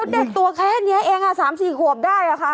แล้วเด็กตัวแค่เนี่ยเองสามสี่ควบได้แหล่ะค่ะ